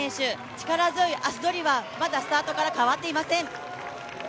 力強い足取りはまだスタートから変わっていません。